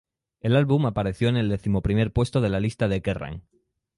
El álbum apareció en el decimoprimer puesto de la lista de "Kerrang!